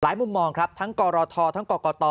หลายมุมมองครับทั้งกรธทั้งกกต